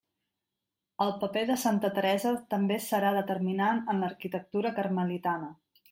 El paper de santa Teresa també serà determinant en l'arquitectura carmelitana.